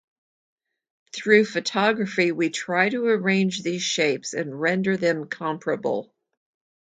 Through photography, we try to arrange these shapes and render them comparable.